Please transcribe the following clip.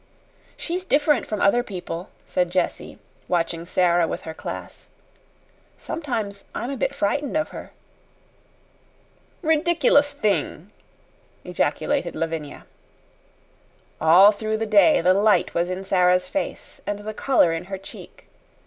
"She's different from other people," said Jessie, watching Sara with her class. "Sometimes I'm a bit frightened of her." "Ridiculous thing!" ejaculated Lavinia. All through the day the light was in Sara's face, and the color in her cheek.